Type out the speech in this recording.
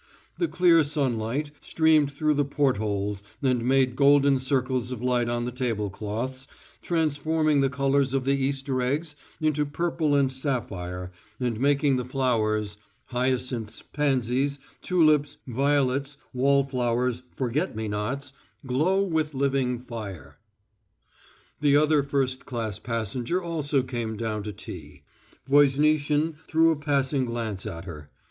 The clear sunlight streamed through the port holes and made golden circles of light on the tablecloths, transforming the colours of the Easter eggs into purple and sapphire, and making the flowers hyacinths, pansies, tulips, violets, wallflowers, forget me nots glow with living fire. The other first class passenger also came down for tea. Voznitsin threw a passing glance at her.